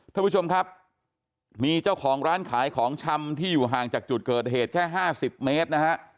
ท่านผู้ชมครับมีเจ้าของร้านขายของชำที่อยู่ห่างจากจุดเกิดเหตุแค่๕๐เมตรนะฮะ